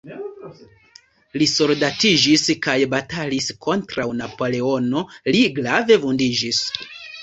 Li soldatiĝis kaj batalis kontraŭ Napoleono, li grave vundiĝis.